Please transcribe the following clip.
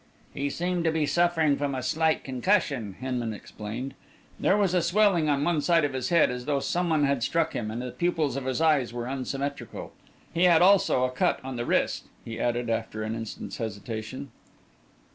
"He seemed to be suffering from a slight concussion," Hinman explained. "There was a swelling on one side of his head, as though some one had struck him, and the pupils of his eyes were unsymmetrical. He had also a cut on the wrist," he added, after an instant's hesitation.